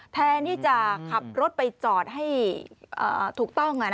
แทนที่จะขับรถไปจอดให้ถูกต้อง